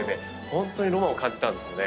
ホントにロマンを感じたんですよね。